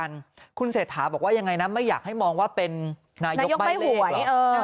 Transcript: สมัยว่าคุณเสธารบอกว่ายังไงนะไม่อยากให้มองว่ามีหนายกใบ่หนูงาน